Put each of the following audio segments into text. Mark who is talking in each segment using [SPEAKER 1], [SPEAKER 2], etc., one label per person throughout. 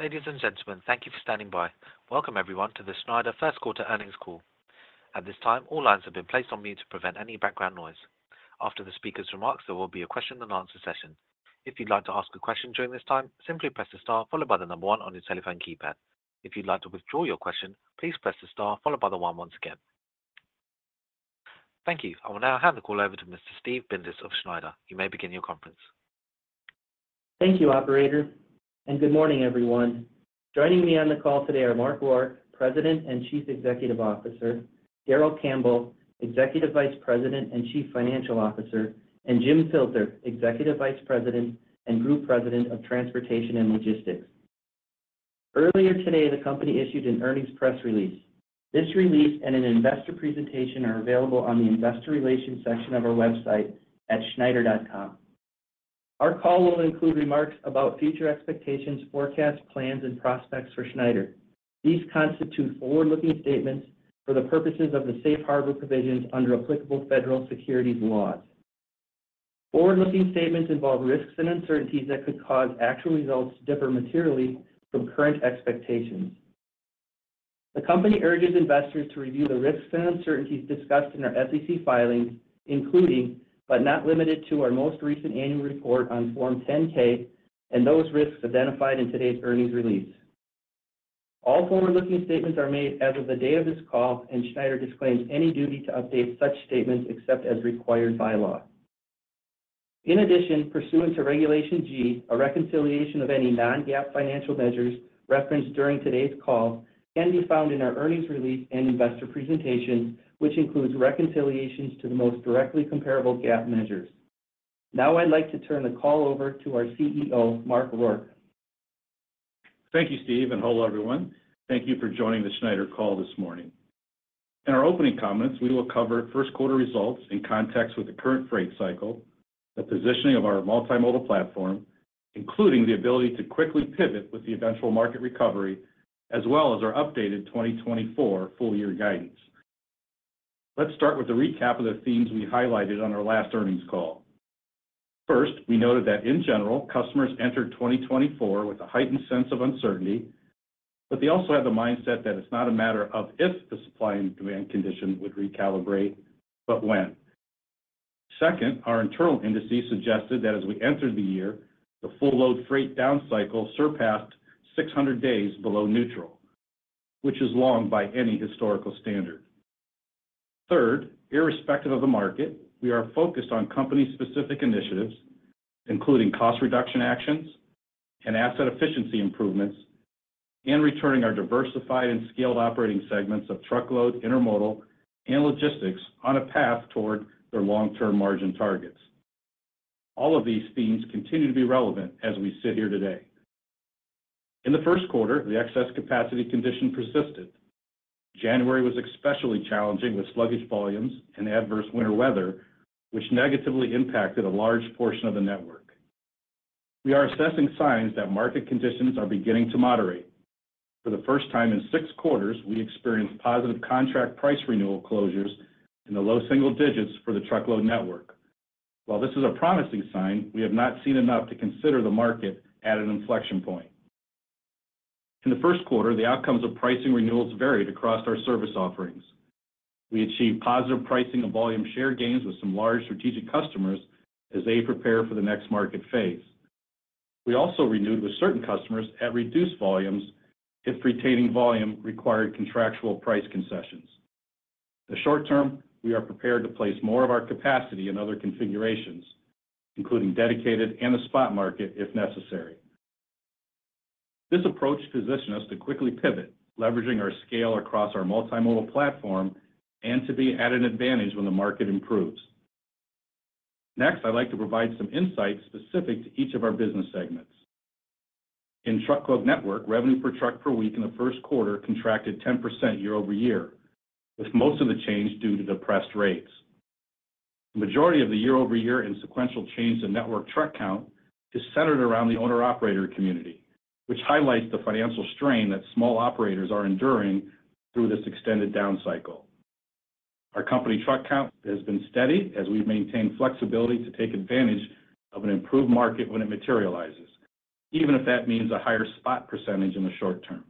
[SPEAKER 1] Ladies and gentlemen, thank you for standing by. Welcome, everyone, to the Schneider First Quarter Earnings Call. At this time, all lines have been placed on mute to prevent any background noise. After the speaker's remarks, there will be a question and answer session. If you'd like to ask a question during this time, simply press the star followed by the number one on your telephone keypad. If you'd like to withdraw your question, please press the star followed by the one once again. Thank you. I will now hand the call over to Mr. Steve Bindas of Schneider. You may begin your conference.
[SPEAKER 2] Thank you, operator, and good morning, everyone. Joining me on the call today are Mark Rourke, President and Chief Executive Officer, Darrell Campbell, Executive Vice President and Chief Financial Officer, and Jim Filter, Executive Vice President and Group President of Transportation and Logistics. Earlier today, the company issued an earnings press release. This release and an investor presentation are available on the Investor Relations section of our website at schneider.com. Our call will include remarks about future expectations, forecasts, plans, and prospects for Schneider. These constitute forward-looking statements for the purposes of the safe harbor provisions under applicable federal securities laws. Forward-looking statements involve risks and uncertainties that could cause actual results to differ materially from current expectations. The company urges investors to review the risks and uncertainties discussed in our SEC filings, including, but not limited to, our most recent annual report on Form 10-K and those risks identified in today's earnings release. All forward-looking statements are made as of the day of this call, and Schneider disclaims any duty to update such statements except as required by law. In addition, pursuant to Regulation G, a reconciliation of any non-GAAP financial measures referenced during today's call can be found in our earnings release and investor presentation, which includes reconciliations to the most directly comparable GAAP measures. Now I'd like to turn the call over to our CEO, Mark Rourke.
[SPEAKER 3] Thank you, Steve, and hello, everyone. Thank you for joining the Schneider call this morning. In our opening comments, we will cover first quarter results in context with the current freight cycle, the positioning of our multimodal platform, including the ability to quickly pivot with the eventual market recovery, as well as our updated 2024 full-year guidance. Let's start with a recap of the themes we highlighted on our last earnings call. First, we noted that in general, customers entered 2024 with a heightened sense of uncertainty, but they also had the mindset that it's not a matter of if the supply and demand condition would recalibrate, but when. Second, our internal indices suggested that as we entered the year, the full load freight downcycle surpassed 600 days below neutral, which is long by any historical standard. Third, irrespective of the market, we are focused on company-specific initiatives, including cost reduction actions and asset efficiency improvements, and returning our diversified and scaled operating segments of truckload, intermodal, and logistics on a path toward their long-term margin targets. All of these themes continue to be relevant as we sit here today. In the first quarter, the excess capacity condition persisted. January was especially challenging, with sluggish volumes and adverse winter weather, which negatively impacted a large portion of the network. We are assessing signs that market conditions are beginning to moderate. For the first time in six quarters, we experienced positive contract price renewal closures in the low single digits for the truckload network. While this is a promising sign, we have not seen enough to consider the market at an inflection point. In the first quarter, the outcomes of pricing renewals varied across our service offerings. We achieved positive pricing and volume share gains with some large strategic customers as they prepare for the next market phase. We also renewed with certain customers at reduced volumes if retaining volume required contractual price concessions. In the short term, we are prepared to place more of our capacity in other configurations, including dedicated and the spot market, if necessary. This approach positions us to quickly pivot, leveraging our scale across our multimodal platform and to be at an advantage when the market improves. Next, I'd like to provide some insights specific to each of our business segments. In truckload network, revenue per truck per week in the first quarter contracted 10% year-over-year, with most of the change due to depressed rates. The majority of the year-over-year and sequential change to network truck count is centered around the owner-operator community, which highlights the financial strain that small operators are enduring through this extended downcycle. Our company truck count has been steady as we've maintained flexibility to take advantage of an improved market when it materializes, even if that means a higher spot percentage in the short term.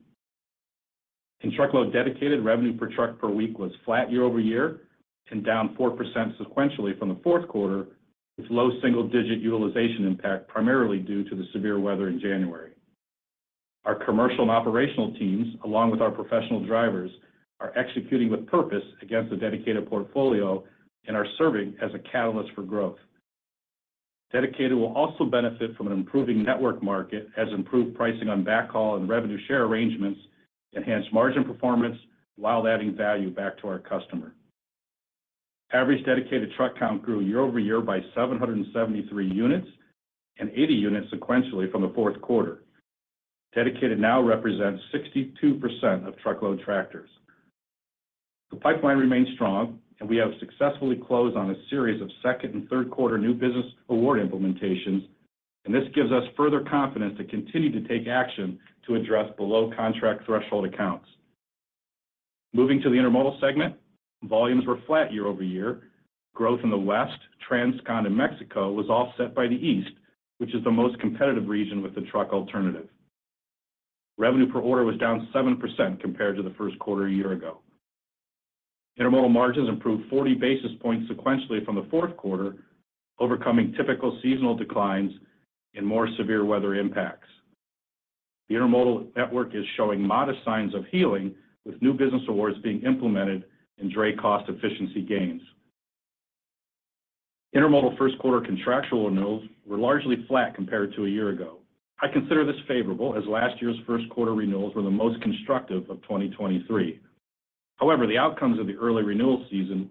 [SPEAKER 3] In truckload, dedicated revenue per truck per week was flat year-over-year and down 4% sequentially from the fourth quarter, with low single-digit utilization impact, primarily due to the severe weather in January. Our commercial and operational teams, along with our professional drivers, are executing with purpose against the dedicated portfolio and are serving as a catalyst for growth. Dedicated will also benefit from an improving network market as improved pricing on backhaul and revenue share arrangements enhance margin performance while adding value back to our customer. Average dedicated truck count grew year-over-year by 773 units and 80 units sequentially from the fourth quarter. Dedicated now represents 62% of truckload tractors. The pipeline remains strong, and we have successfully closed on a series of second- and third-quarter new business award implementations, and this gives us further confidence to continue to take action to address below contract threshold accounts. Moving to the Intermodal segment, volumes were flat year-over-year. Growth in the West, Transcon to Mexico was offset by the East, which is the most competitive region with the truck alternative. Revenue per order was down 7% compared to the first quarter a year ago. Intermodal margins improved 40 basis points sequentially from the fourth quarter, overcoming typical seasonal declines and more severe weather impacts. The intermodal network is showing modest signs of healing, with new business awards being implemented and dray cost efficiency gains. Intermodal first quarter contractual renewals were largely flat compared to a year ago. I consider this favorable, as last year's first quarter renewals were the most constructive of 2023. However, the outcomes of the early renewal season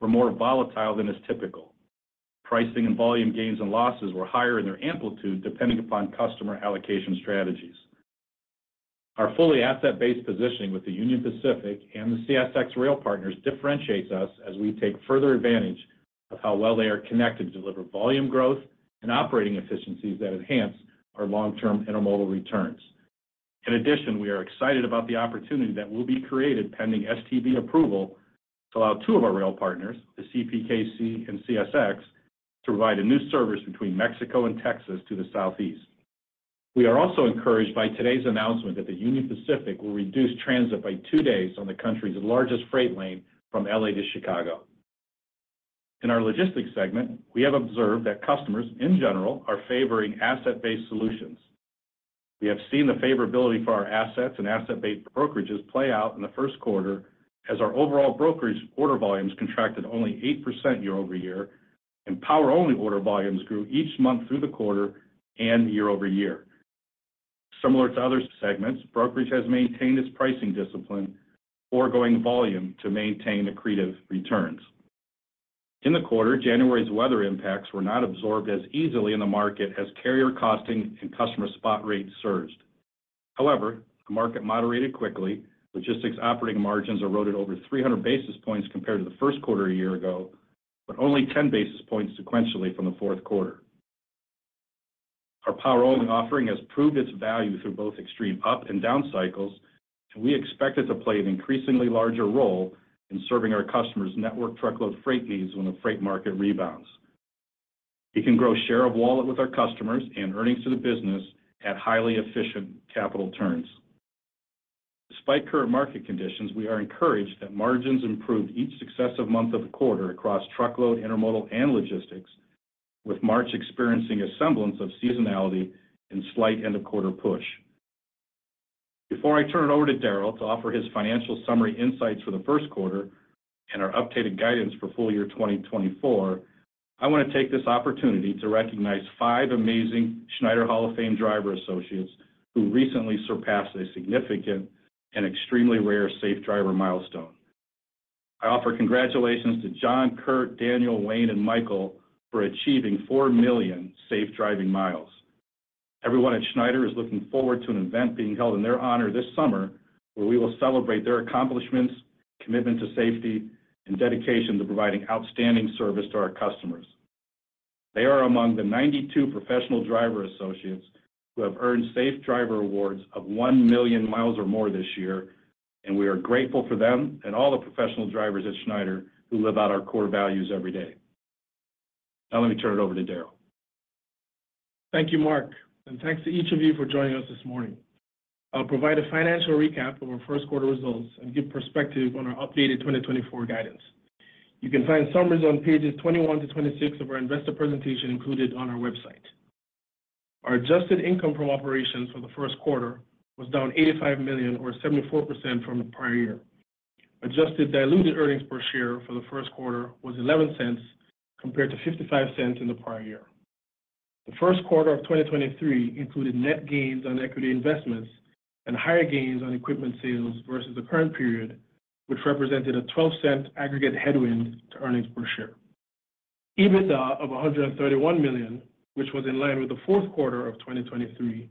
[SPEAKER 3] were more volatile than is typical. Pricing and volume gains and losses were higher in their amplitude, depending upon customer allocation strategies. Our fully asset-based positioning with the Union Pacific and the CSX rail partners differentiates us as we take further advantage of how well they are connected to deliver volume growth and operating efficiencies that enhance our long-term intermodal returns. In addition, we are excited about the opportunity that will be created pending STB approval, to allow two of our rail partners, the CPKC and CSX, to provide a new service between Mexico and Texas to the Southeast. We are also encouraged by today's announcement that the Union Pacific will reduce transit by two days on the country's largest freight lane from L.A. to Chicago. In our logistics segment, we have observed that customers, in general, are favoring asset-based solutions. We have seen the favorability for our assets and asset-based brokerages play out in the first quarter, as our overall brokerage order volumes contracted only 8% year-over-year, and power-only order volumes grew each month through the quarter and year-over-year. Similar to other segments, brokerage has maintained its pricing discipline, foregoing volume to maintain accretive returns. In the quarter, January's weather impacts were not absorbed as easily in the market as carrier costing and customer spot rates surged. However, the market moderated quickly. Logistics operating margins eroded over 300 basis points compared to the first quarter a year ago, but only 10 basis points sequentially from the fourth quarter. Our power-only offering has proved its value through both extreme up and down cycles, and we expect it to play an increasingly larger role in serving our customers' network truckload freight needs when the freight market rebounds. It can grow share of wallet with our customers and earnings to the business at highly efficient capital terms. Despite current market conditions, we are encouraged that margins improved each successive month of the quarter across truckload, intermodal, and logistics, with March experiencing a semblance of seasonality and slight end-of-quarter push. Before I turn it over to Darrell to offer his financial summary insights for the first quarter and our updated guidance for full year 2024, I want to take this opportunity to recognize five amazing Schneider Hall of Fame driver associates who recently surpassed a significant and extremely rare safe driver milestone. I offer congratulations to John, Kurt, Daniel, Wayne, and Michael for achieving 4 million safe driving miles. Everyone at Schneider is looking forward to an event being held in their honor this summer, where we will celebrate their accomplishments, commitment to safety, and dedication to providing outstanding service to our customers. They are among the 92 professional driver associates who have earned safe driver awards of 1 million miles or more this year, and we are grateful for them and all the professional drivers at Schneider who live out our core values every day. Now, let me turn it over to Darrell.
[SPEAKER 4] Thank you, Mark, and thanks to each of you for joining us this morning. I'll provide a financial recap of our first quarter results and give perspective on our updated 2024 guidance. You can find summaries on pages 21-26 of our investor presentation included on our website. Our adjusted income from operations for the first quarter was down $85 million, or 74% from the prior year. Adjusted diluted earnings per share for the first quarter was $0.11, compared to $0.55 in the prior year. The first quarter of 2023 included net gains on equity investments and higher gains on equipment sales versus the current period, which represented a $0.12 aggregate headwind to earnings per share. $131 million EBITDA, which was in line with the fourth quarter of 2023,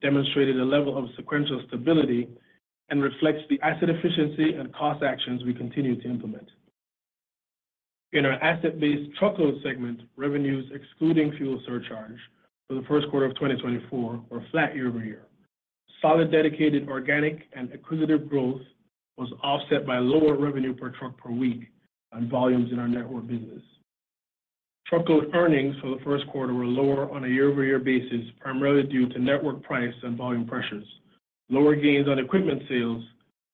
[SPEAKER 4] demonstrated a level of sequential stability and reflects the asset efficiency and cost actions we continue to implement. In our asset-based truckload segment, revenues excluding fuel surcharge for the first quarter of 2024 were flat year-over-year. Solid, dedicated, organic, and acquisitive growth was offset by lower revenue per truck per week on volumes in our network business. Truckload earnings for the first quarter were lower on a year-over-year basis, primarily due to network price and volume pressures, lower gains on equipment sales,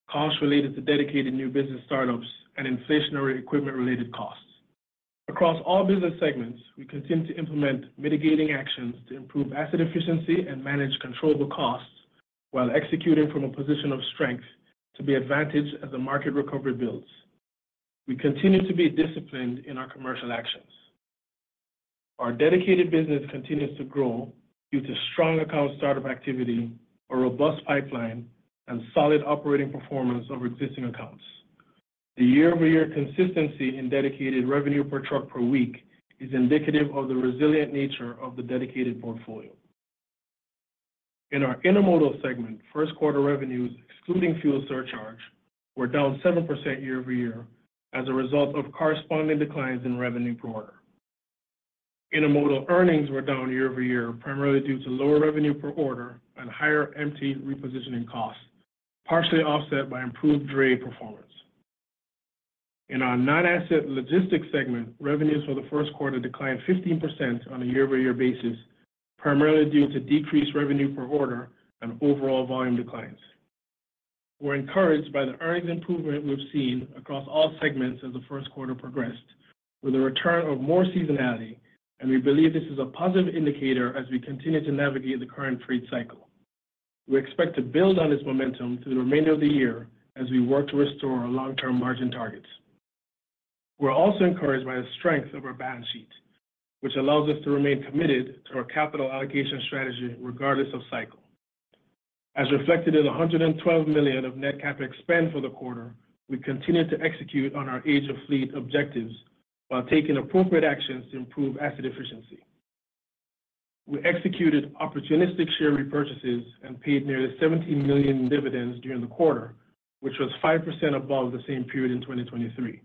[SPEAKER 4] costs related to dedicated new business startups, and inflationary equipment-related costs. Across all business segments, we continue to implement mitigating actions to improve asset efficiency and manage controllable costs while executing from a position of strength to be advantaged as the market recovery builds. We continue to be disciplined in our commercial actions. Our Dedicated business continues to grow due to strong account startup activity, a robust pipeline, and solid operating performance of our existing accounts. The year-over-year consistency in Dedicated revenue per truck per week is indicative of the resilient nature of the Dedicated portfolio. In our Intermodal segment, first quarter revenues, excluding fuel surcharge, were down 7% year-over-year as a result of corresponding declines in revenue per order. Intermodal earnings were down year-over-year, primarily due to lower revenue per order and higher empty repositioning costs, partially offset by improved dray performance. In our non-asset Logistics segment, revenues for the first quarter declined 15% on a year-over-year basis, primarily due to decreased revenue per order and overall volume declines. We're encouraged by the earnings improvement we've seen across all segments as the first quarter progressed, with a return of more seasonality, and we believe this is a positive indicator as we continue to navigate the current trade cycle. We expect to build on this momentum through the remainder of the year as we work to restore our long-term margin targets. We're also encouraged by the strength of our balance sheet, which allows us to remain committed to our capital allocation strategy regardless of cycle. As reflected in the $112 million of Net CapEx spend for the quarter, we continued to execute on our age of fleet objectives while taking appropriate actions to improve asset efficiency. We executed opportunistic share repurchases and paid nearly $17 million in dividends during the quarter, which was 5% above the same period in 2023.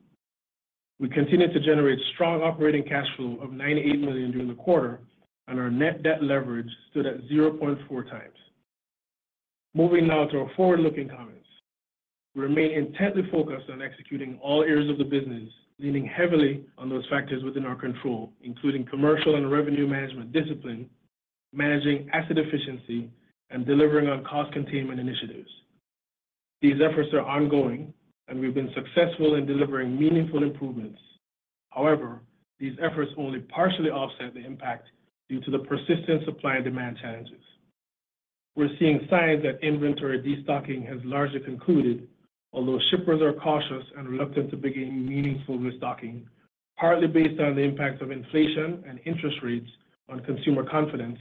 [SPEAKER 4] We continued to generate strong operating cash flow of $98 million during the quarter, and our net debt leverage stood at 0.4x. Moving now to our forward-looking comments. We remain intently focused on executing all areas of the business, leaning heavily on those factors within our control, including commercial and revenue management discipline, managing asset efficiency, and delivering on cost containment initiatives. These efforts are ongoing, and we've been successful in delivering meaningful improvements. However, these efforts only partially offset the impact due to the persistent supply and demand challenges. We're seeing signs that inventory destocking has largely concluded, although shippers are cautious and reluctant to begin meaningful restocking, partly based on the impacts of inflation and interest rates on consumer confidence,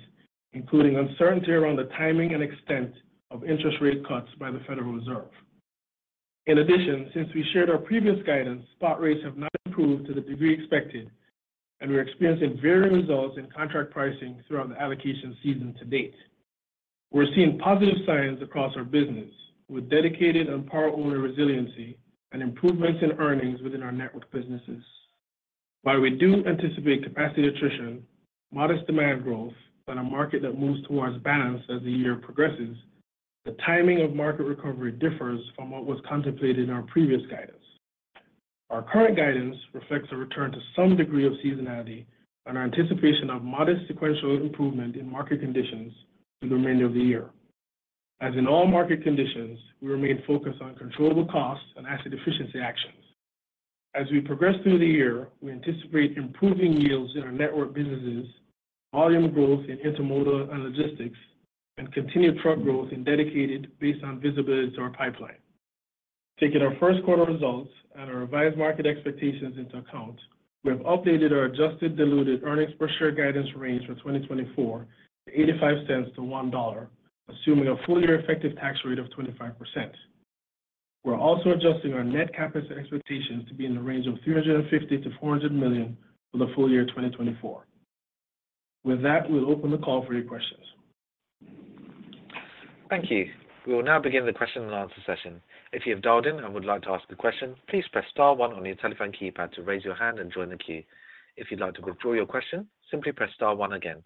[SPEAKER 4] including uncertainty around the timing and extent of interest rate cuts by the Federal Reserve. In addition, since we shared our previous guidance, spot rates have not improved to the degree expected, and we're experiencing varying results in contract pricing throughout the allocation season to date. We're seeing positive signs across our business, with dedicated and power owner resiliency and improvements in earnings within our network businesses. While we do anticipate capacity attrition, modest demand growth, and a market that moves towards balance as the year progresses, the timing of market recovery differs from what was contemplated in our previous guidance. Our current guidance reflects a return to some degree of seasonality and our anticipation of modest sequential improvement in market conditions through the remainder of the year. As in all market conditions, we remain focused on controllable costs and asset efficiency actions. As we progress through the year, we anticipate improving yields in our network businesses, volume growth in Intermodal and Logistics, and continued truck growth in Dedicated based on visibility to our pipeline. Taking our first quarter results and our revised market expectations into account, we have updated our adjusted diluted earnings per share guidance range for 2024 to $0.85-$1.00, assuming a full-year effective tax rate of 25%. We're also adjusting our Net CapEx expectations to be in the range of $350 million-$400 million for the full year 2024. With that, we'll open the call for your questions.
[SPEAKER 1] Thank you. We will now begin the question and answer session. If you have dialed in and would like to ask a question, please press star one on your telephone keypad to raise your hand and join the queue. If you'd like to withdraw your question, simply press star one again.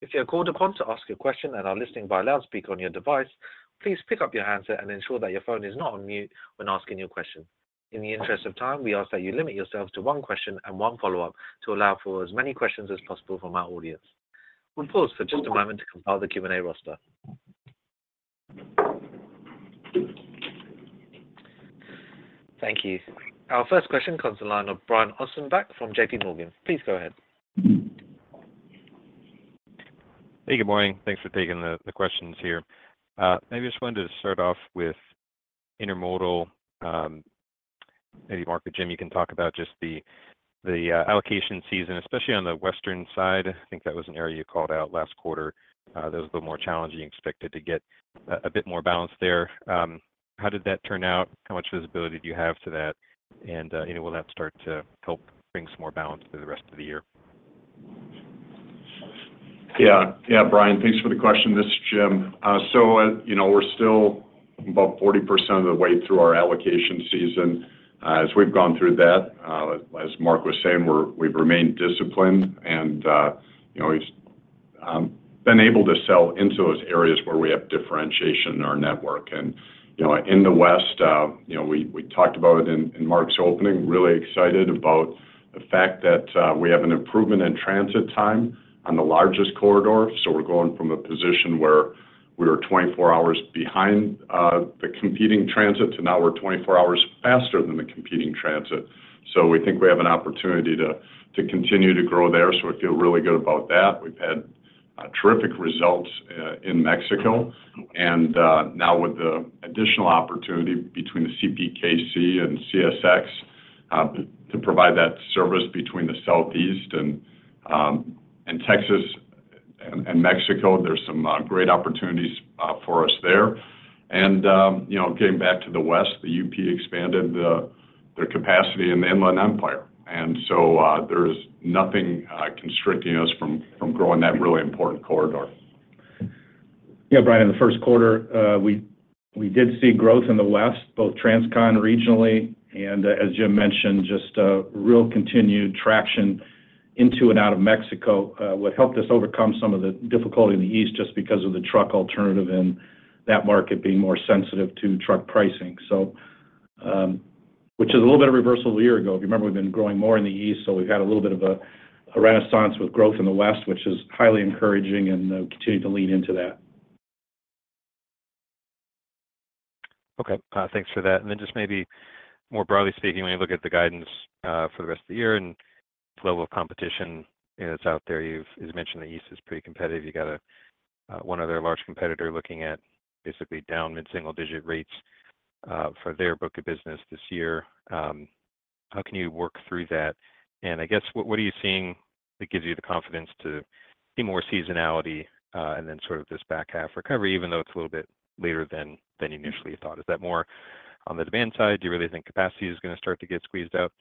[SPEAKER 1] If you're called upon to ask a question and are listening by loudspeaker on your device, please pick up your handset and ensure that your phone is not on mute when asking your question. In the interest of time, we ask that you limit yourselves to one question and one follow-up to allow for as many questions as possible from our audience. We'll pause for just a moment to compile the Q&A roster. Thank you. Our first question comes on the line of Brian Ossenbeck from JP Morgan. Please go ahead.
[SPEAKER 5] Hey, good morning. Thanks for taking the questions here. Maybe I just wanted to start off with Intermodal. Maybe Mark or Jim, you can talk about just the allocation season, especially on the Western side. I think that was an area you called out last quarter. That was a little more challenging. You expected to get a bit more balance there. How did that turn out? How much visibility do you have to that? And, you know, will that start to help bring some more balance through the rest of the year?
[SPEAKER 6] Yeah. Yeah, Brian, thanks for the question. This is Jim. So, you know, we're still about 40% of the way through our allocation season. As we've gone through that, as Mark was saying, we've remained disciplined, and, you know, we've been able to sell into those areas where we have differentiation in our network. And, you know, in the West, you know, we talked about it in Mark's opening, really excited about the fact that we have an improvement in transit time on the largest corridor. So we're going from a position where we were 24 hours behind the competing transit, to now we're 24 hours faster than the competing transit. So we think we have an opportunity to continue to grow there, so I feel really good about that. We've had terrific results in Mexico, and now with the additional opportunity between the CPKC and CSX to provide that service between the Southeast and Texas and Mexico, there's some great opportunities for us there. And you know, getting back to the West, the UP expanded their capacity in the Inland Empire, and so there's nothing constricting us from growing that really important corridor.
[SPEAKER 3] Yeah, Brian, in the first quarter, we, we did see growth in the West, both Transcon regionally, and as Jim mentioned, just a real continued traction into and out of Mexico, what helped us overcome some of the difficulty in the East just because of the truck alternative in that market being more sensitive to truck pricing. So, which is a little bit of reversal a year ago. If you remember, we've been growing more in the East, so we've had a little bit of a, a renaissance with growth in the West, which is highly encouraging, and we continue to lean into that.
[SPEAKER 5] Okay. Thanks for that. And then just maybe more broadly speaking, when you look at the guidance for the rest of the year and the level of competition that's out there, you've. As you mentioned, the East is pretty competitive. You got one other large competitor looking at basically down mid-single digit rates for their book of business this year. How can you work through that? And I guess, what, what are you seeing that gives you the confidence to see more seasonality, and then sort of this back half recovery, even though it's a little bit later than, than you initially thought? Is that more on the demand side? Do you really think capacity is going to start to get squeezed out?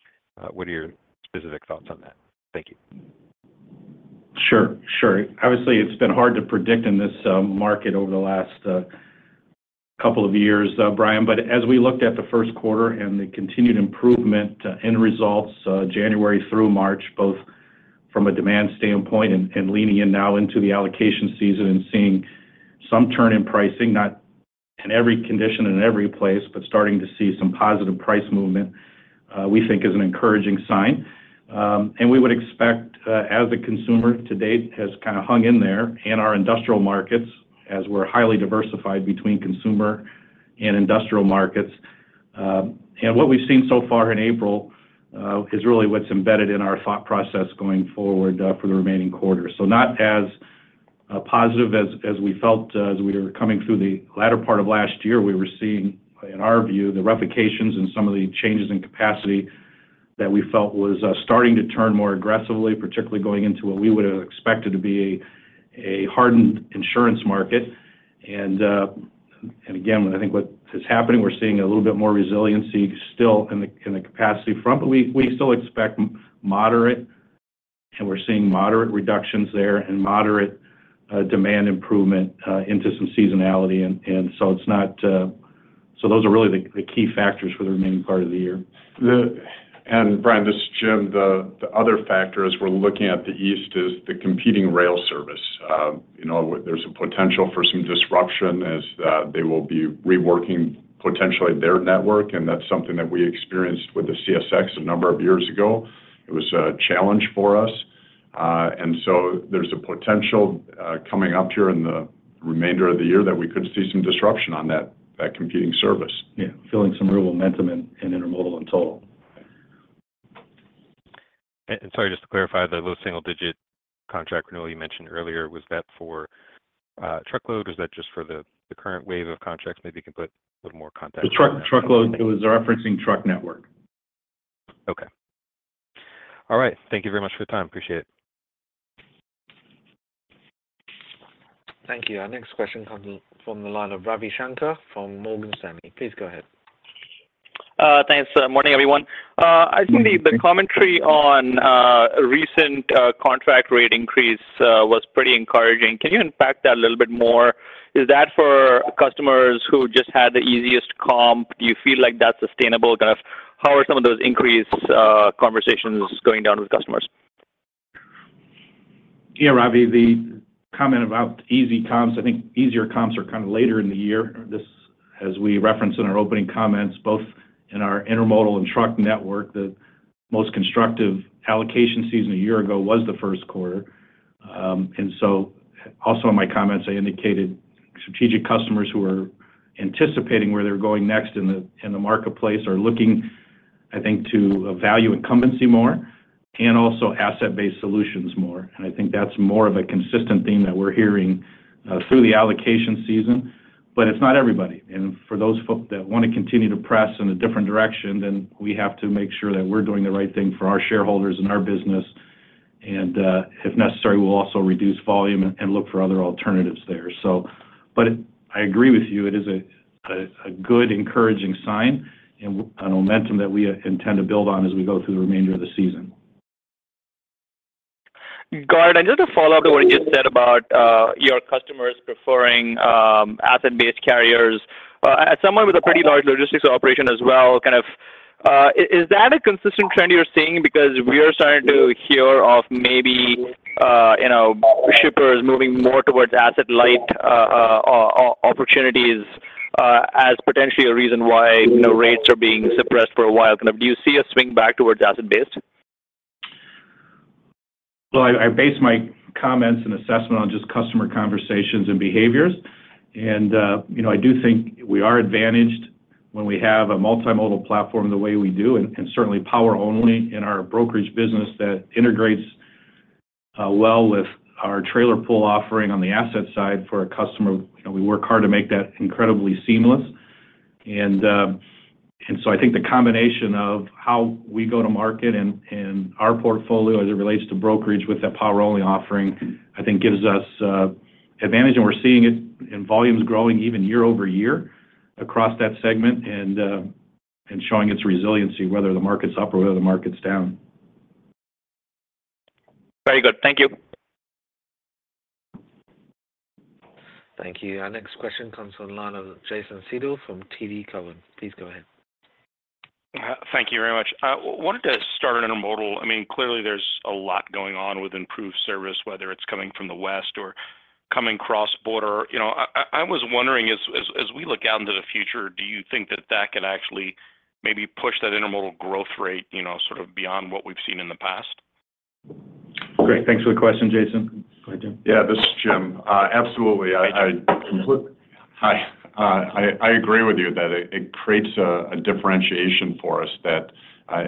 [SPEAKER 5] What are your specific thoughts on that? Thank you.
[SPEAKER 3] Sure, sure. Obviously, it's been hard to predict in this market over the last couple of years, Brian, but as we looked at the first quarter and the continued improvement in results, January through March, both from a demand standpoint and leaning in now into the allocation season and seeing some turn in pricing, not in every condition and in every place, but starting to see some positive price movement, we think is an encouraging sign. And we would expect, as the consumer to date has kind of hung in there in our industrial markets, as we're highly diversified between consumer and industrial markets. And what we've seen so far in April is really what's embedded in our thought process going forward, for the remaining quarter. So not as positive as we felt as we were coming through the latter part of last year. We were seeing, in our view, the replications and some of the changes in capacity that we felt was starting to turn more aggressively, particularly going into what we would have expected to be a hardened insurance market. And again, I think what is happening, we're seeing a little bit more resiliency still in the capacity front, but we still expect moderate, and we're seeing moderate reductions there and moderate demand improvement into some seasonality. And so it's not... So those are really the key factors for the remaining part of the year.
[SPEAKER 6] And Brian, this is Jim. The other factor, as we're looking at the East, is the competing rail service. You know, there's a potential for some disruption as they will be reworking potentially their network, and that's something that we experienced with the CSX a number of years ago. It was a challenge for us, and so there's a potential coming up here in the remainder of the year that we could see some disruption on that competing service. Yeah, feeling some real momentum in intermodal in total.
[SPEAKER 5] Sorry, just to clarify, the low single-digit contract renewal you mentioned earlier, was that for truckload, or is that just for the current wave of contracts? Maybe you can put a little more context on that.
[SPEAKER 6] The truckload. It was referencing truck network.
[SPEAKER 5] Okay. All right. Thank you very much for your time. Appreciate it.
[SPEAKER 1] Thank you. Our next question comes from the line of Ravi Shanker from Morgan Stanley. Please go ahead.
[SPEAKER 7] Thanks. Morning, everyone. I think the commentary on recent contract rate increase was pretty encouraging. Can you unpack that a little bit more? Is that for customers who just had the easiest comp? Do you feel like that's sustainable? Kind of, how are some of those increased conversations going down with customers?
[SPEAKER 3] Yeah, Ravi, the comment about easy comps, I think easier comps are kind of later in the year. This, as we referenced in our opening comments, both in our intermodal and truck network, the most constructive allocation season a year ago was the first quarter. And so also in my comments, I indicated strategic customers who are anticipating where they're going next in the, in the marketplace are looking, I think, to value incumbency more and also asset-based solutions more. And I think that's more of a consistent theme that we're hearing through the allocation season, but it's not everybody. And for those folk that want to continue to press in a different direction, then we have to make sure that we're doing the right thing for our shareholders and our business, and, if necessary, we'll also reduce volume and look for other alternatives there so... But I agree with you, it is a good encouraging sign and a momentum that we intend to build on as we go through the remainder of the season.
[SPEAKER 7] Got it. Just a follow-up to what you just said about your customers preferring asset-based carriers. As someone with a pretty large logistics operation as well, kind of, is that a consistent trend you're seeing? Because we are starting to hear of maybe, you know, shippers moving more towards asset-light opportunities as potentially a reason why, you know, rates are being suppressed for a while. Kind of, do you see a swing back towards asset-based?
[SPEAKER 3] Well, I, I base my comments and assessment on just customer conversations and behaviors. And, you know, I do think we are advantaged when we have a multimodal platform the way we do, and, and certainly power-only in our brokerage business that integrates, well with our trailer pool offering on the asset side for our customer. You know, we work hard to make that incredibly seamless. And, so I think the combination of how we go to market and, and our portfolio as it relates to brokerage with that power-only offering, I think gives us, advantage, and we're seeing it in volumes growing even year-over-year across that segment, and, and showing its resiliency, whether the market's up or whether the market's down.
[SPEAKER 7] Very good. Thank you.
[SPEAKER 1] Thank you. Our next question comes from the line of Jason Seidel from TD Cowen. Please go ahead.
[SPEAKER 8] Thank you very much. Wanted to start on intermodal. I mean, clearly, there's a lot going on with improved service, whether it's coming from the West or coming cross-border. You know, I was wondering, as we look out into the future, do you think that that can actually maybe push that intermodal growth rate, you know, sort of beyond what we've seen in the past?
[SPEAKER 3] Great. Thanks for the question, Jason. Go ahead, Jim.
[SPEAKER 6] Yeah, this is Jim. Absolutely. Yeah. I agree with you that it creates a differentiation for us that,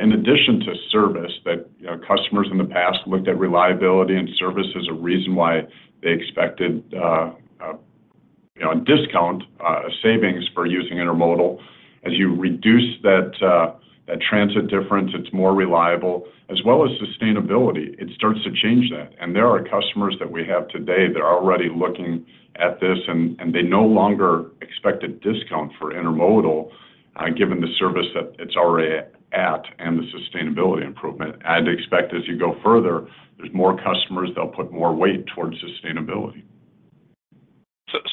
[SPEAKER 6] in addition to service, that, you know, customers in the past looked at reliability and service as a reason why they expected, you know, a discount, a savings for using intermodal. As you reduce that transit difference, it's more reliable, as well as sustainability. It starts to change that. And there are customers that we have today that are already looking at this, and they no longer expect a discount for intermodal, given the service that it's already at and the sustainability improvement. I'd expect as you go further, there's more customers, they'll put more weight towards sustainability.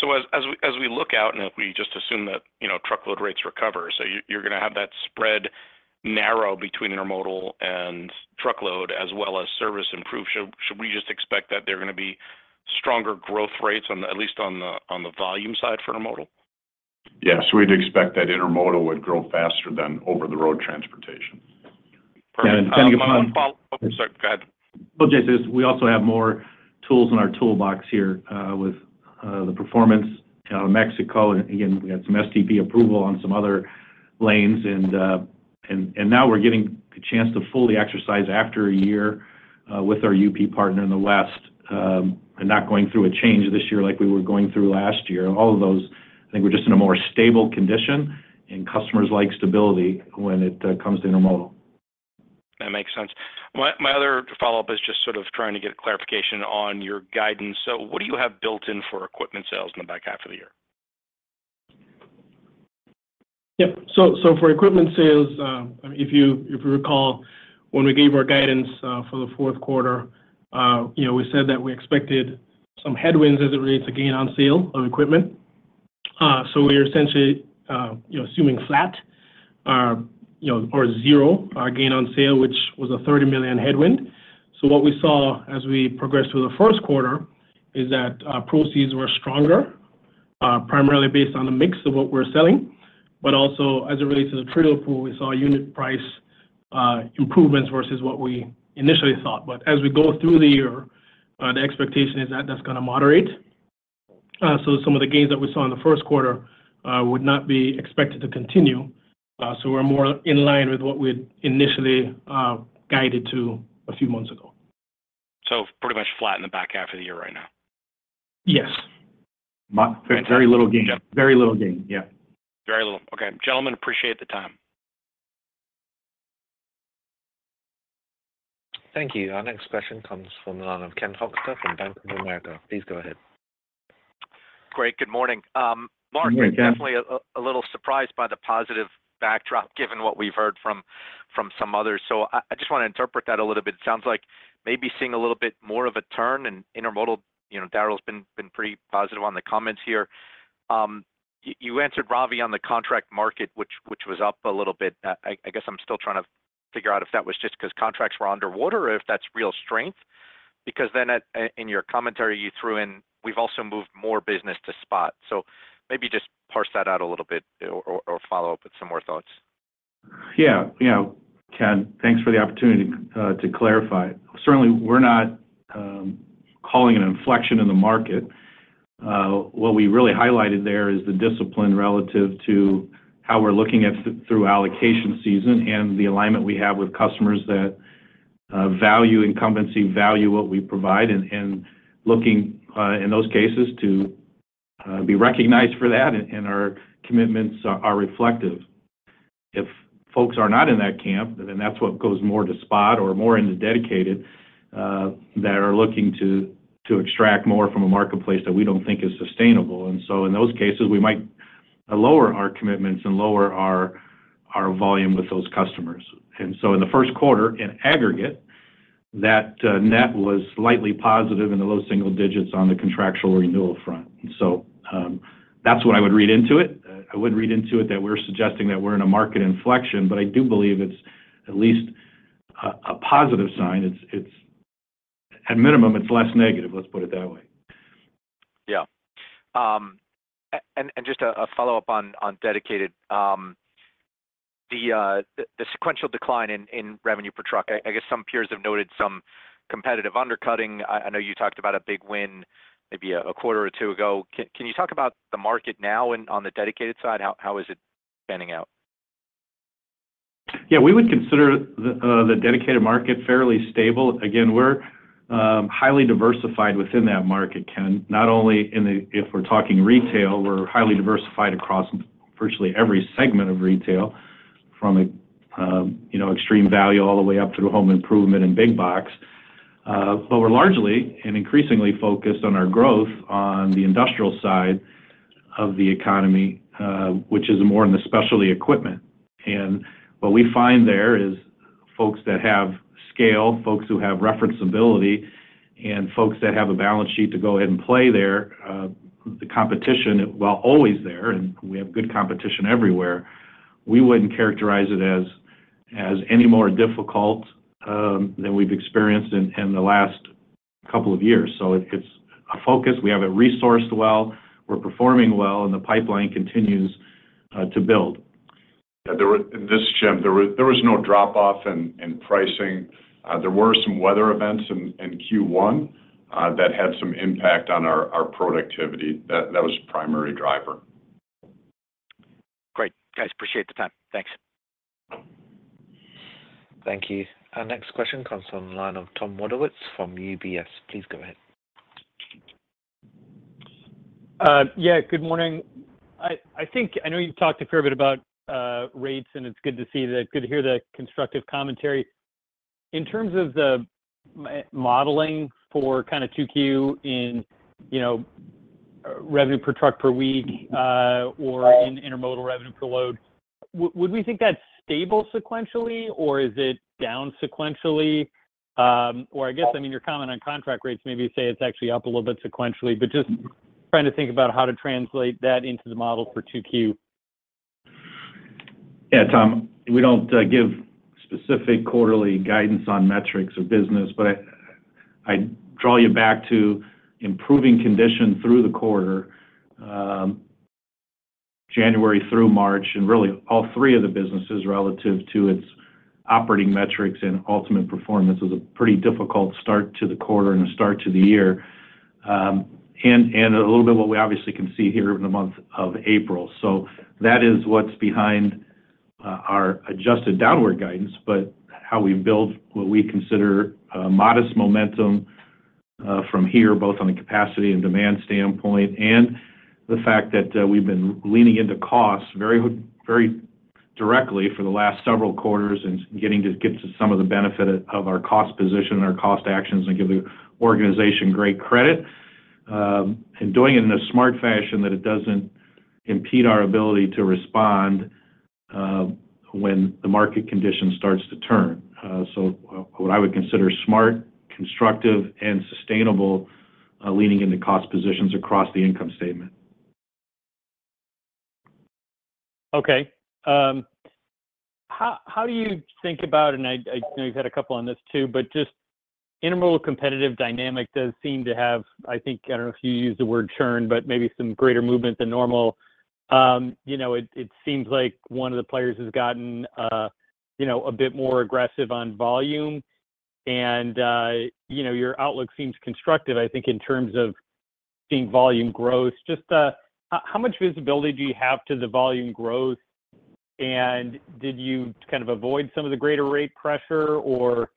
[SPEAKER 8] So as we look out, and if we just assume that, you know, truckload rates recover, so you're gonna have that spread narrow between intermodal and truckload, as well as service improve. Should we just expect that they're gonna be stronger growth rates on the, at least on the volume side for intermodal?
[SPEAKER 6] Yes, we'd expect that intermodal would grow faster than over-the-road transportation.
[SPEAKER 8] Perfect.
[SPEAKER 3] Yeah, and kind of on-
[SPEAKER 8] One follow-up. I'm sorry, go ahead.
[SPEAKER 3] Well, Jason, we also have more tools in our toolbox here, with the performance, Mexico. Again, we had some STB approval on some other lanes, and now we're getting a chance to fully exercise after a year, with our UP partner in the West, and not going through a change this year like we were going through last year. And all of those, I think we're just in a more stable condition, and customers like stability when it comes to intermodal.
[SPEAKER 8] That makes sense. My other follow-up is just sort of trying to get clarification on your guidance. So what do you have built in for equipment sales in the back half of the year?
[SPEAKER 3] Yep. So for equipment sales, I mean, if you recall, when we gave our guidance for the fourth quarter, you know, we said that we expected some headwinds as it relates to gain on sale of equipment. So we are essentially, you know, assuming flat, you know, or zero gain on sale, which was a $30 million headwind. So what we saw as we progressed through the first quarter is that proceeds were stronger, primarily based on the mix of what we're selling, but also as it relates to the trailer pool, we saw unit price improvements versus what we initially thought. But as we go through the year, the expectation is that that's gonna moderate. So some of the gains that we saw in the first quarter would not be expected to continue. So we're more in line with what we had initially guided to a few months ago.
[SPEAKER 8] Pretty much flat in the back half of the year right now?
[SPEAKER 3] Yes. My-
[SPEAKER 8] Fantastic.
[SPEAKER 3] Very little gain.
[SPEAKER 8] Yeah.
[SPEAKER 3] Very little gain. Yeah.
[SPEAKER 8] Very little. Okay. Gentlemen, appreciate the time.
[SPEAKER 1] Thank you. Our next question comes from the line of Ken Hoexter from Bank of America. Please go ahead.
[SPEAKER 9] Great. Good morning.
[SPEAKER 3] Good morning, Ken.
[SPEAKER 9] Mark, definitely a little surprised by the positive backdrop, given what we've heard from some others. So I just want to interpret that a little bit. It sounds like maybe seeing a little bit more of a turn in intermodal. You know, Darrell's been pretty positive on the comments here. You answered Ravi on the contract market, which was up a little bit. I guess I'm still trying to figure out if that was just 'cause contracts were underwater or if that's real strength. Because then in your commentary you threw in, "We've also moved more business to spot." So maybe just parse that out a little bit or follow up with some more thoughts.
[SPEAKER 3] Yeah, you know, Ken, thanks for the opportunity to clarify. Certainly, we're not calling an inflection in the market. What we really highlighted there is the discipline relative to how we're looking through allocation season and the alignment we have with customers that value incumbency, value what we provide, and looking in those cases to be recognized for that, and our commitments are reflective. If folks are not in that camp, then that's what goes more to spot or more into dedicated that are looking to extract more from a marketplace that we don't think is sustainable. And so in those cases, we might lower our commitments and lower our volume with those customers. In the first quarter, in aggregate, that net was slightly positive in the low single digits on the contractual renewal front. That's what I would read into it. I wouldn't read into it that we're suggesting that we're in a market inflection, but I do believe it's at least a positive sign. It's at minimum, it's less negative, let's put it that way.
[SPEAKER 9] Yeah. And just a follow-up on Dedicated. The sequential decline in revenue per truck, I guess some peers have noted some competitive undercutting. I know you talked about a big win maybe a quarter or two ago. Can you talk about the market now and on the Dedicated side? How is it panning out?
[SPEAKER 3] Yeah, we would consider the dedicated market fairly stable. Again, we're highly diversified within that market, Ken. Not only in the- if we're talking retail, we're highly diversified across virtually every segment of retail, from a you know, extreme value all the way up to the home improvement and big box. But we're largely and increasingly focused on our growth on the industrial side of the economy, which is more in the specialty equipment. And what we find there is folks that have scale, folks who have reference ability, and folks that have a balance sheet to go ahead and play there, the competition, while always there, and we have good competition everywhere, we wouldn't characterize it as any more difficult than we've experienced in the last couple of years. So it's a focus. We have it resourced well, we're performing well, and the pipeline continues to build.
[SPEAKER 6] Yeah, there were... And this, Jim, there was no drop off in pricing. There were some weather events in Q1 that had some impact on our productivity. That was the primary driver.
[SPEAKER 9] Great. Guys, appreciate the time. Thanks.
[SPEAKER 1] Thank you. Our next question comes from the line of Tom Wadowitz from UBS. Please go ahead.
[SPEAKER 10] Yeah, good morning. I think I know you've talked a fair bit about rates, and it's good to see. Good to hear the constructive commentary. In terms of the modeling for kind of 2Q in, you know, revenue per truck per week, or in intermodal revenue per load, would we think that's stable sequentially, or is it down sequentially? Or I guess, I mean, your comment on contract rates, maybe you say it's actually up a little bit sequentially, but just trying to think about how to translate that into the model for 2Q.
[SPEAKER 3] Yeah, Tom, we don't give specific quarterly guidance on metrics or business, but I draw you back to improving conditions through the quarter. January through March, and really, all three of the businesses relative to its operating metrics and ultimate performance, was a pretty difficult start to the quarter and a start to the year. And a little bit what we obviously can see here in the month of April. So that is what's behind our adjusted downward guidance, but how we build what we consider modest momentum from here, both on the capacity and demand standpoint, and the fact that we've been leaning into costs very, very directly for the last several quarters and getting to some of the benefit of our cost position and our cost actions and give the organization great credit. And doing it in a smart fashion, that it doesn't impede our ability to respond, when the market condition starts to turn. So what I would consider smart, constructive, and sustainable, leaning into cost positions across the income statement.
[SPEAKER 10] Okay. How do you think about... And I know you've had a couple on this too, but just intermodal competitive dynamic does seem to have, I think, I don't know if you'd use the word churn, but maybe some greater movement than normal. You know, it seems like one of the players has gotten, you know, a bit more aggressive on volume, and, you know, your outlook seems constructive, I think, in terms of seeing volume growth. Just, how much visibility do you have to the volume growth, and did you kind of avoid some of the greater rate pressure, or,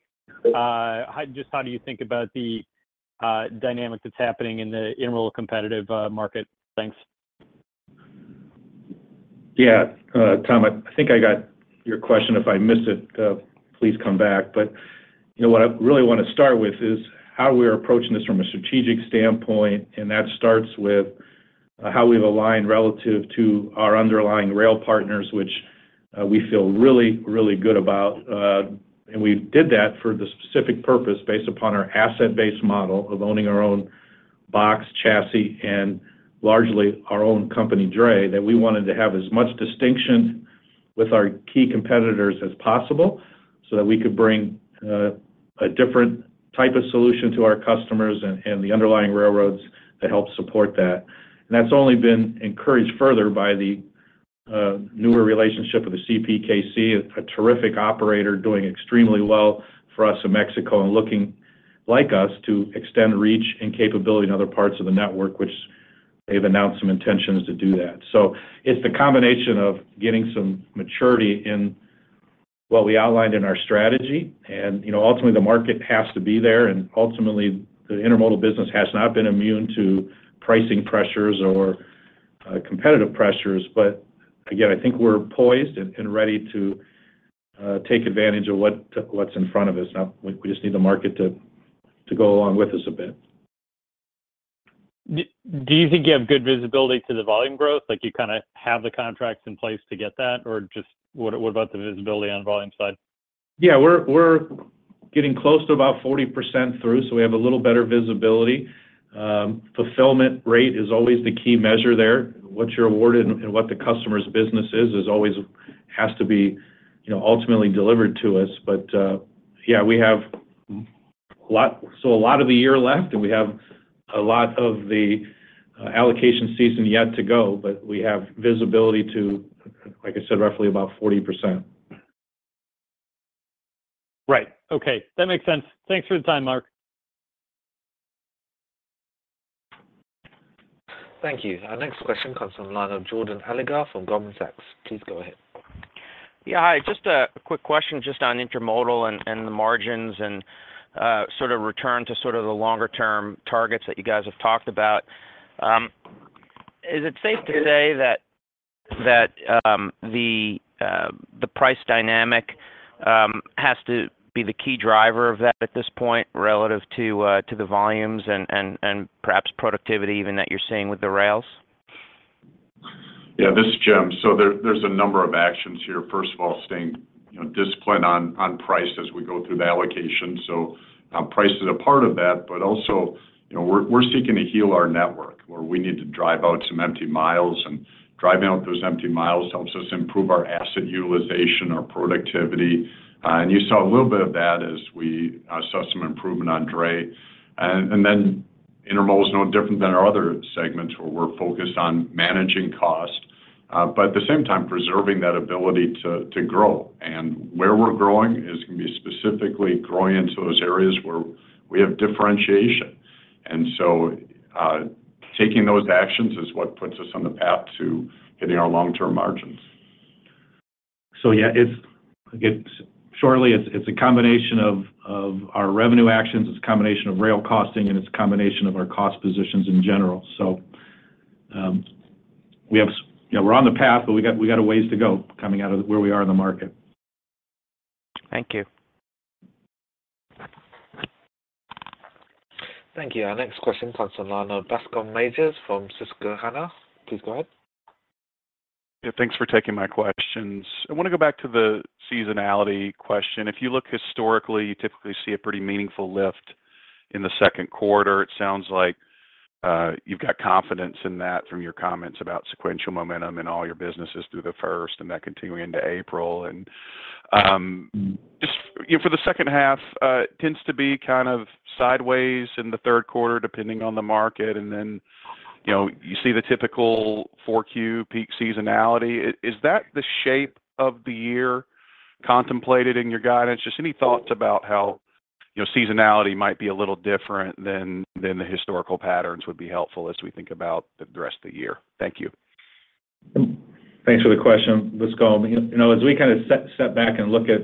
[SPEAKER 10] how, just how do you think about the dynamic that's happening in the intermodal competitive market? Thanks.
[SPEAKER 3] Yeah, Tom, I think I got your question. If I missed it, please come back. But, you know, what I really want to start with is how we're approaching this from a strategic standpoint, and that starts with how we've aligned relative to our underlying rail partners, which we feel really, really good about. And we did that for the specific purpose, based upon our asset-based model of owning our own box, chassis, and largely our own company dray, that we wanted to have as much distinction with our key competitors as possible, so that we could bring a different type of solution to our customers and the underlying railroads that help support that. And that's only been encouraged further by the newer relationship with the CPKC, a terrific operator, doing extremely well for us in Mexico, and looking like us to extend reach and capability in other parts of the network, which they've announced some intentions to do that. So it's the combination of getting some maturity in what we outlined in our strategy, and, you know, ultimately, the market has to be there, and ultimately, the intermodal business has not been immune to pricing pressures or competitive pressures. But again, I think we're poised and ready to take advantage of what's in front of us. Now, we just need the market to go along with us a bit.
[SPEAKER 10] Do you think you have good visibility to the volume growth? Like, you kinda have the contracts in place to get that, or just what, what about the visibility on volume side?
[SPEAKER 3] Yeah, we're getting close to about 40% through, so we have a little better visibility. Fulfillment rate is always the key measure there. What you're awarded and what the customer's business is always has to be, you know, ultimately delivered to us. But yeah, we have a lot, so a lot of the year left, and we have a lot of the allocation season yet to go, but we have visibility to, like I said, roughly about 40%.
[SPEAKER 10] Right. Okay, that makes sense. Thanks for the time, Mark.
[SPEAKER 1] Thank you. Our next question comes from the line of Jordan Alliger from Goldman Sachs. Please go ahead.
[SPEAKER 11] Yeah, hi, just a quick question just on intermodal and the margins and sort of return to sort of the longer term targets that you guys have talked about. Is it safe to say that the price dynamic has to be the key driver of that at this point, relative to the volumes and perhaps productivity even that you're seeing with the rails?
[SPEAKER 6] Yeah, this is Jim. So there's a number of actions here. First of all, staying, you know, disciplined on price as we go through the allocation. So price is a part of that, but also, you know, we're seeking to heal our network, where we need to drive out some empty miles. And driving out those empty miles helps us improve our asset utilization, our productivity. And you saw a little bit of that as we saw some improvement on dray. And then intermodal is no different than our other segments, where we're focused on managing cost, but at the same time preserving that ability to grow. And where we're growing is gonna be specifically growing into those areas where we have differentiation. And so taking those actions is what puts us on the path to hitting our long-term margins.
[SPEAKER 3] So yeah, it's a combination of our revenue actions, a combination of rail costing, and a combination of our cost positions in general. So, we have... Yeah, we're on the path, but we got a ways to go coming out of where we are in the market.
[SPEAKER 11] Thank you.
[SPEAKER 1] Thank you. Our next question comes on the line of Bascome Majors from Susquehanna. Please go ahead.
[SPEAKER 12] Yeah, thanks for taking my questions. I want to go back to the seasonality question. If you look historically, you typically see a pretty meaningful lift in the second quarter. It sounds like you've got confidence in that from your comments about sequential momentum in all your businesses through the first, and that continuing into April. And just, you know, for the second half tends to be kind of sideways in the third quarter, depending on the market, and then, you know, you see the typical 4Q peak seasonality. Is that the shape of the year contemplated in your guidance? Just any thoughts about how, you know, seasonality might be a little different than the historical patterns would be helpful as we think about the rest of the year. Thank you.
[SPEAKER 3] Thanks for the question, Bascome. You know, as we kind of set back and look at,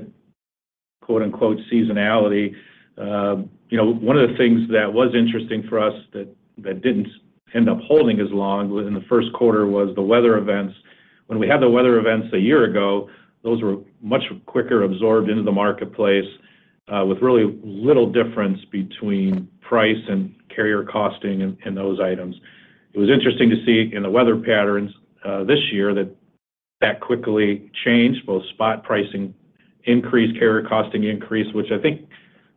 [SPEAKER 3] quote, unquote, "seasonality," you know, one of the things that was interesting for us that didn't end up holding as long in the first quarter was the weather events. When we had the weather events a year ago, those were much quicker absorbed into the marketplace, with really little difference between price and carrier costing and those items. It was interesting to see in the weather patterns, this year, that quickly changed. Both spot pricing increased, carrier costing increased, which I think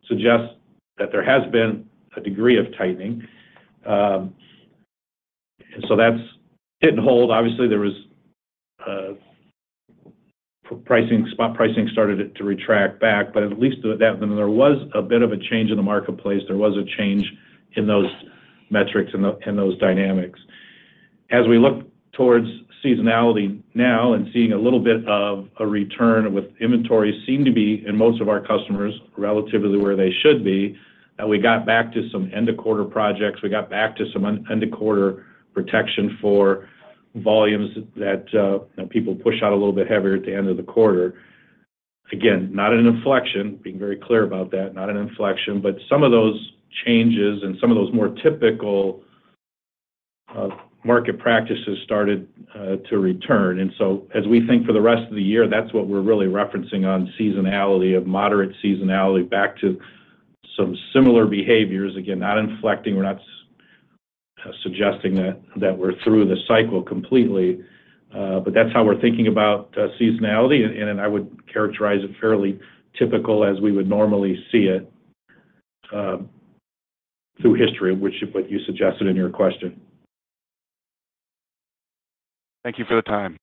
[SPEAKER 3] suggests that there has been a degree of tightening. So that's hit and hold. Obviously, there was pricing, spot pricing started it to retract back, but at least that, then there was a bit of a change in the marketplace. There was a change in those metrics, in those dynamics. As we look towards seasonality now and seeing a little bit of a return with inventory seem to be, in most of our customers, relatively where they should be, that we got back to some end-of-quarter projects. We got back to some end-of-quarter protection for volumes that, you know, people push out a little bit heavier at the end of the quarter. Again, not an inflection. Being very clear about that, not an inflection. But some of those changes and some of those more typical market practices started to return. And so as we think for the rest of the year, that's what we're really referencing on seasonality, of moderate seasonality, back to some similar behaviors. Again, not inflecting, we're not suggesting that, that we're through the cycle completely, but that's how we're thinking about seasonality. And, and I would characterize it fairly typical as we would normally see it through history, which is what you suggested in your question.
[SPEAKER 12] Thank you for the time.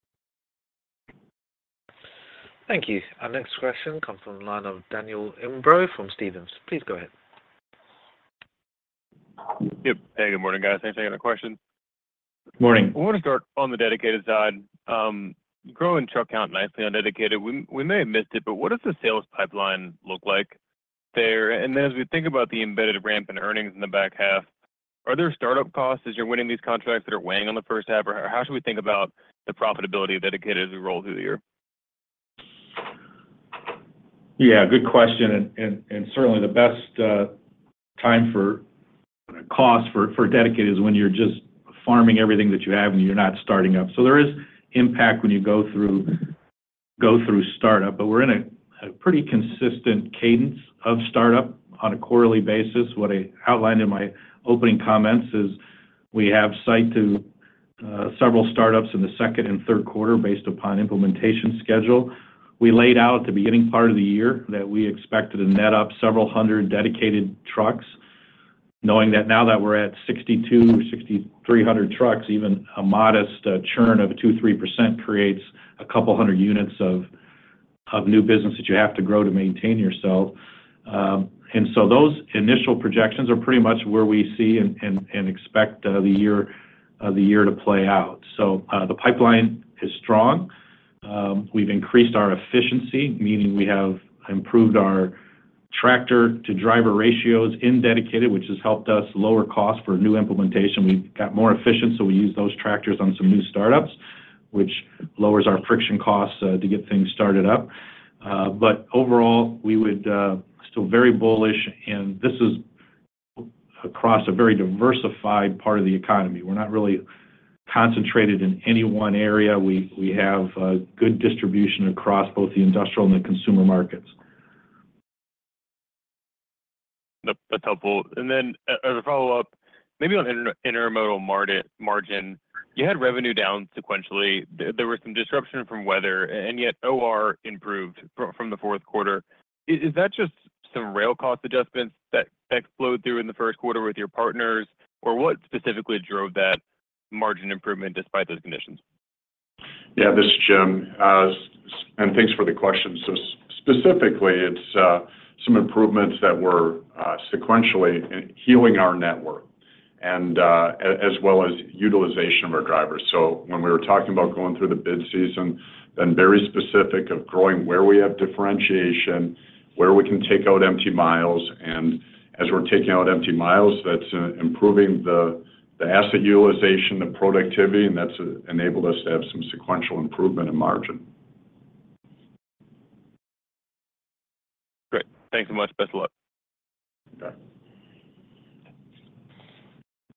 [SPEAKER 1] Thank you. Our next question comes from the line of Daniel Imbro from Stephens. Please go ahead.
[SPEAKER 13] Yep. Hey, good morning, guys. Thanks. I got a question.
[SPEAKER 3] Good morning.
[SPEAKER 13] I want to start on the dedicated side. Growing truck count nicely on dedicated. We may have missed it, but what does the sales pipeline look like there? And then as we think about the embedded ramp in earnings in the back half, are there startup costs as you're winning these contracts that are weighing on the first half? Or how should we think about the profitability of dedicated as we roll through the year?
[SPEAKER 3] Yeah, good question. And certainly the best time for cost for Dedicated is when you're just farming everything that you have, and you're not starting up. So there is impact when you go through startup, but we're in a pretty consistent cadence of startup on a quarterly basis. What I outlined in my opening comments is we have sight to several startups in the second and third quarter based upon implementation schedule. We laid out at the beginning part of the year that we expected to net up several hundred Dedicated trucks, knowing that now that we're at 6,200-6,300 trucks, even a modest churn of 2%-3% creates a couple hundred units of new business that you have to grow to maintain yourself. And so those initial projections are pretty much where we see and expect the year to play out. So, the pipeline is strong. We've increased our efficiency, meaning we have improved our tractor-to-driver ratios in dedicated, which has helped us lower costs for new implementation. We've got more efficient, so we use those tractors on some new startups, which lowers our friction costs to get things started up. But overall, we would still very bullish, and this is across a very diversified part of the economy. We're not really concentrated in any one area. We have good distribution across both the industrial and the consumer markets.
[SPEAKER 13] That's helpful. Then as a follow-up, maybe on intermodal margin, you had revenue down sequentially. There were some disruption from weather, and yet OR improved from the fourth quarter. Is that just some rail cost adjustments that flowed through in the first quarter with your partners? Or what specifically drove that margin improvement despite those conditions?
[SPEAKER 6] Yeah, this is Jim. And thanks for the question. So specifically, it's some improvements that were sequentially in healing our network and as well as utilization of our drivers. So when we were talking about going through the bid season, then very specific of growing where we have differentiation, where we can take out empty miles, and as we're taking out empty miles, that's improving the asset utilization, the productivity, and that's enabled us to have some sequential improvement in margin.
[SPEAKER 13] Great. Thanks so much. Best of luck.
[SPEAKER 6] Okay.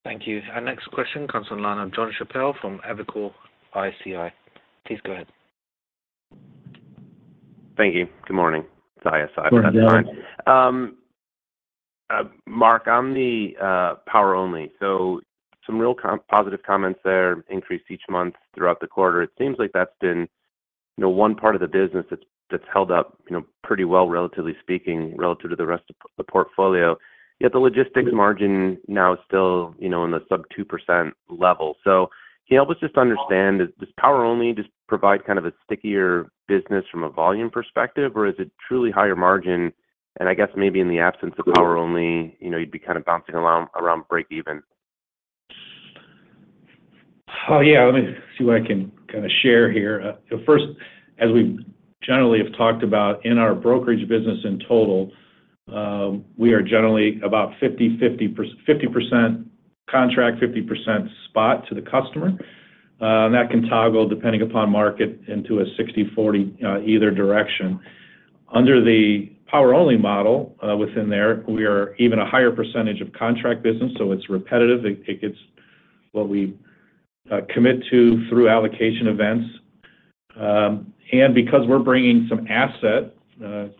[SPEAKER 1] Thank you. Our next question comes on the line of Jon Chappell from Evercore ISI. Please go ahead.
[SPEAKER 14] Thank you. Good morning. It's ISI.
[SPEAKER 3] Good morning.
[SPEAKER 14] Mark, on the power only, so some real positive comments there, increased each month throughout the quarter. It seems like that's been, you know, one part of the business that's held up, you know, pretty well, relatively speaking, relative to the rest of the portfolio. Yet the logistics margin now is still, you know, in the sub 2% level. So can you help us just understand, does power only just provide kind of a stickier business from a volume perspective, or is it truly higher margin? And I guess maybe in the absence of power only, you know, you'd be kind of bouncing around break even.
[SPEAKER 3] Oh, yeah. Let me see what I can kind of share here. So first, as we generally have talked about in our brokerage business in total, we are generally about 50% contract, 50% spot to the customer. And that can toggle depending upon market into a 60/40 either direction. Under the power-only model, within there, we are even a higher percentage of contract business, so it's repetitive. It gets what we commit to through allocation events. And because we're bringing some asset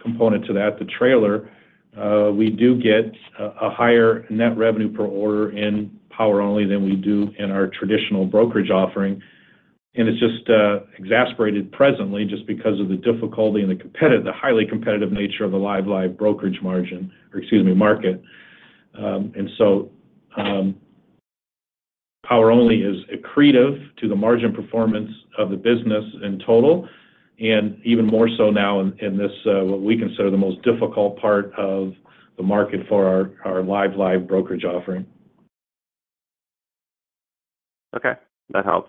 [SPEAKER 3] component to that, the trailer, we do get a higher net revenue per order in power-only than we do in our traditional brokerage offering. And it's just exacerbated presently just because of the difficulty and the competitive... the highly competitive nature of the live-live brokerage margin, or excuse me, market. And so, power only is accretive to the margin performance of the business in total, and even more so now in this, what we consider the most difficult part of the market for our live-live brokerage offering.
[SPEAKER 14] Okay, that helps.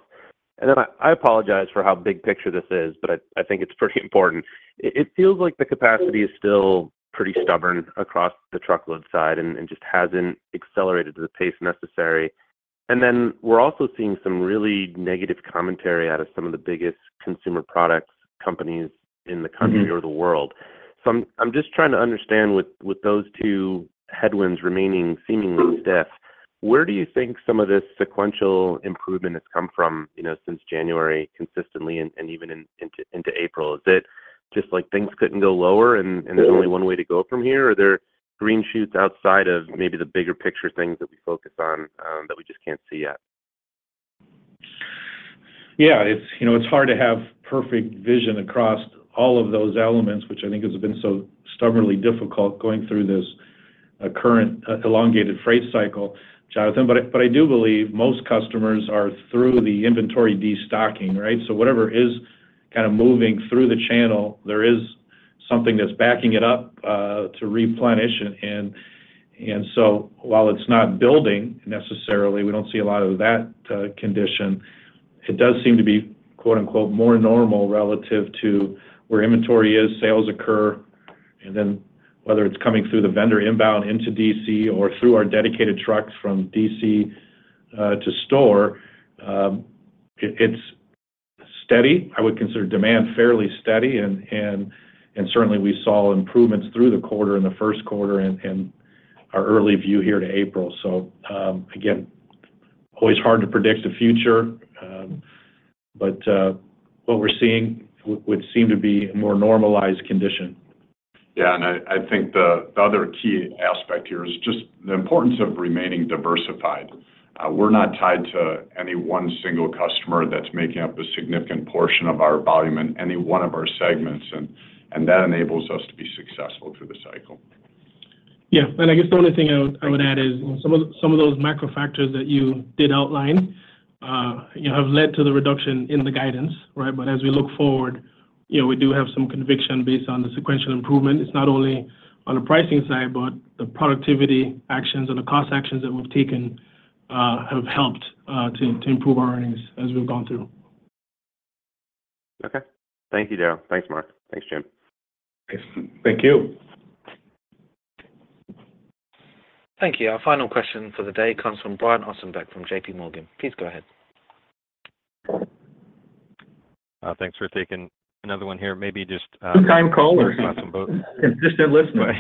[SPEAKER 14] And then I apologize for how big picture this is, but I think it's pretty important. It feels like the capacity is still pretty stubborn across the truckload side and just hasn't accelerated to the pace necessary. And then we're also seeing some really negative commentary out of some of the biggest consumer products companies in the country-
[SPEAKER 3] Mm-hmm.
[SPEAKER 14] -or the world. So I'm just trying to understand with those two headwinds remaining seemingly stiff, where do you think some of this sequential improvement has come from, you know, since January, consistently and even into April? Is it just like things couldn't go lower and there's only one way to go from here, or are there green shoots outside of maybe the bigger picture things that we focus on, that we just can't see yet?
[SPEAKER 3] Yeah, it's, you know, it's hard to have perfect vision across all of those elements, which I think has been so stubbornly difficult going through this current elongated freight cycle, Jonathan. But I do believe most customers are through the inventory destocking, right? So whatever is kind of moving through the channel, there is something that's backing it up to replenish it. And so while it's not building necessarily, we don't see a lot of that condition. It does seem to be, quote, unquote, "more normal" relative to where inventory is, sales occur, and then whether it's coming through the vendor inbound into DC or through our dedicated trucks from DC to store, it's steady.
[SPEAKER 6] I would consider demand fairly steady, and certainly we saw improvements through the quarter, in the first quarter, in our early view here to April. So, again, always hard to predict the future, but what we're seeing would seem to be a more normalized condition. Yeah, and I think the other key aspect here is just the importance of remaining diversified. We're not tied to any one single customer that's making up a significant portion of our volume in any one of our segments, and that enables us to be successful through the cycle.
[SPEAKER 4] Yeah, and I guess the only thing I would add is some of those macro factors that you did outline have led to the reduction in the guidance, right? But as we look forward, you know, we do have some conviction based on the sequential improvement. It's not only on the pricing side, but the productivity actions and the cost actions that we've taken have helped to improve our earnings as we've gone through.
[SPEAKER 14] Okay. Thank you, Darrell. Thanks, Mark. Thanks, Jim.
[SPEAKER 3] Thank you.
[SPEAKER 1] Thank you. Our final question for the day comes from Brian Ossenbeck from JP Morgan. Please go ahead.
[SPEAKER 5] Thanks for taking another one here. Maybe just,
[SPEAKER 4] Two-time caller. Just here listening.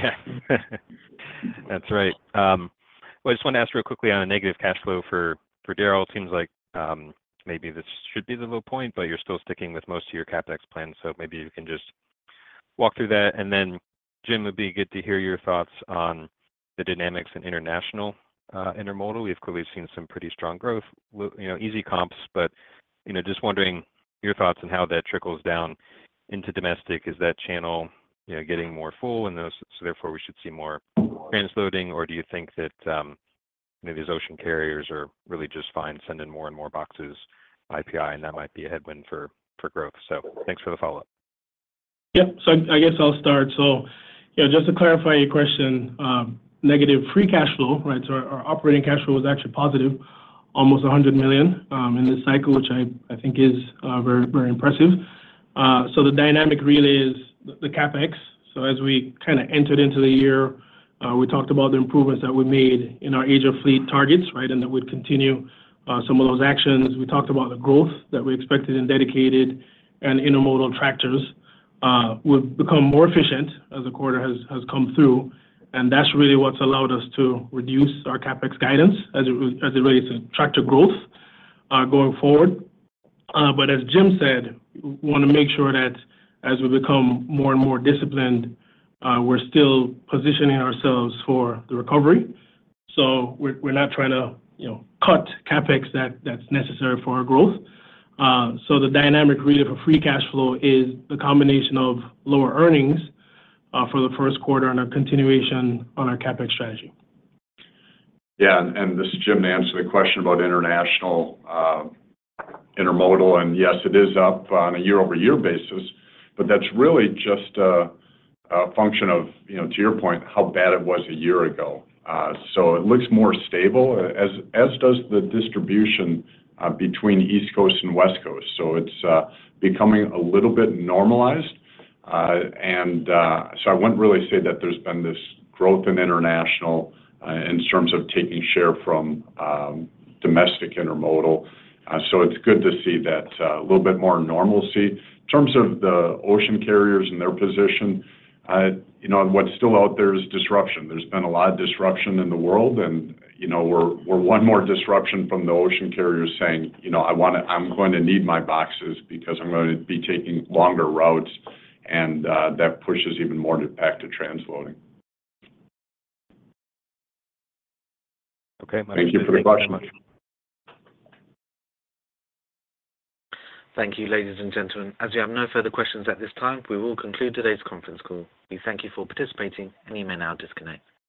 [SPEAKER 5] That's right. Well, I just want to ask real quickly on a negative cash flow for Darrell. Seems like maybe this should be the low point, but you're still sticking with most of your CapEx plans, so maybe you can just walk through that. And then, Jim, it would be good to hear your thoughts on the dynamics in international intermodal. We've clearly seen some pretty strong growth, you know, easy comps, but you know, just wondering your thoughts on how that trickles down into domestic. Is that channel, you know, getting more full, and thus, so therefore, we should see more transloading? Or do you think that maybe these ocean carriers are really just fine, sending more and more boxes IPI, and that might be a headwind for growth? So thanks for the follow-up.
[SPEAKER 4] Yeah. So I guess I'll start. So, yeah, just to clarify your question, negative free cash flow, right? So our operating cash flow is actually positive, almost $100 million in this cycle, which I think is very, very impressive. So the dynamic really is the CapEx. So as we kind of entered into the year, we talked about the improvements that we made in our age of fleet targets, right? And that we'd continue some of those actions. We talked about the growth that we expected in Dedicated and Intermodal tractors would become more efficient as the quarter has come through, and that's really what's allowed us to reduce our CapEx guidance as it relates to tractor growth going forward. But as Jim said, we want to make sure that as we become more and more disciplined, we're still positioning ourselves for the recovery. So we're not trying to, you know, cut CapEx that's necessary for our growth. So the dynamic really of a free cash flow is the combination of lower earnings for the first quarter and a continuation on our CapEx strategy.
[SPEAKER 6] Yeah, and this is Jim, to answer the question about international, intermodal, and yes, it is up on a year-over-year basis, but that's really just a function of, you know, to your point, how bad it was a year ago. So it looks more stable, as does the distribution, between East Coast and West Coast, so it's becoming a little bit normalized. And so I wouldn't really say that there's been this growth in international, in terms of taking share from, domestic intermodal. So it's good to see that, a little bit more normalcy. In terms of the ocean carriers and their position, you know, what's still out there is disruption. There's been a lot of disruption in the world, and, you know, we're one more disruption from the ocean carriers saying, "You know, I want to-- I'm going to need my boxes because I'm going to be taking longer routes," and that pushes even more back to transloading.
[SPEAKER 5] Okay.
[SPEAKER 6] Thank you for the question. Thank you, ladies and gentlemen. As we have no further questions at this time, we will conclude today's conference call. We thank you for participating, and you may now disconnect.